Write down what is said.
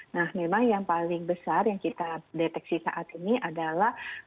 nah memang yang paling besar yang kita deteksi saat ini adalah